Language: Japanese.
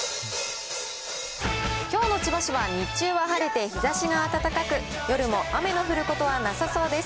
きょうの千葉市は日中は晴れて、日ざしが暖かく、夜も雨の降ることはなさそうです。